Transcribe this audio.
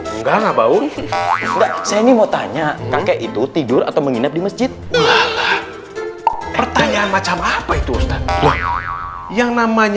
enggak mau tanya kakek itu tidur atau menginap di masjid pertanyaan macam apa itu yang namanya